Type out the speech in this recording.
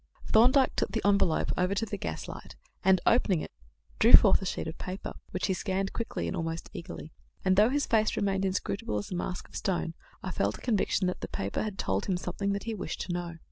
Thorndyke took the envelope over to the gas light, and, opening it, drew forth a sheet of paper, which he scanned quickly and almost eagerly; and, though his face remained as inscrutable as a mask of stone, I felt a conviction that the paper had told him something that he wished to know.